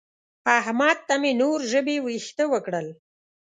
احمد ته مې نور ژبې وېښته وکړل.